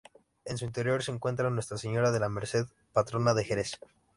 En su interior se encuentra Nuestra Señora de la Merced, patrona de Jerez.